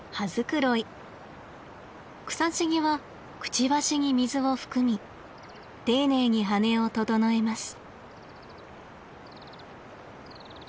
クサシギはくちばしに水を含み丁寧に羽を整えます。